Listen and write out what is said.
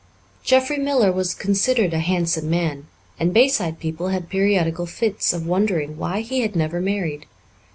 Jeffrey Miller was considered a handsome man, and Bayside people had periodical fits of wondering why he had never married.